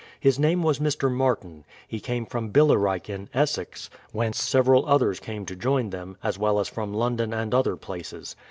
His name was Mr. Martin; he came from Billirike in Essex, whence several others came to join them, as well as from London and other places.